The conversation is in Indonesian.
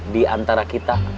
di antara kita